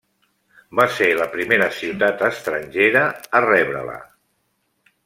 Va ser la primera ciutat estrangera a rebre-la.